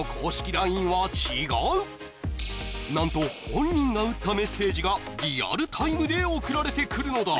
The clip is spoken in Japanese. ＬＩＮＥは違う何と本人が打ったメッセージがリアルタイムで送られてくるのだ